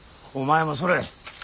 お前もそれ。